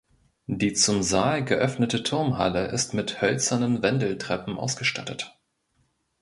Die zum Saal geöffnete Turmhalle ist mit hölzernen Wendeltreppen ausgestattet.